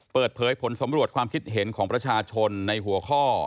เปิดเผยผลสำรวจความคิดเห็นของประชาชนในหัวข้อ